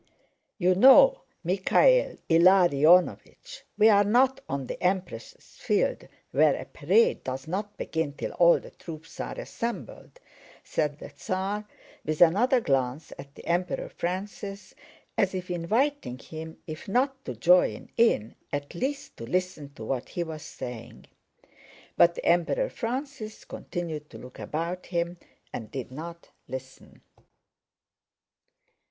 "You know, Michael Ilariónovich, we are not on the Empress' Field where a parade does not begin till all the troops are assembled," said the Tsar with another glance at the Emperor Francis, as if inviting him if not to join in at least to listen to what he was saying. But the Emperor Francis continued to look about him and did not listen.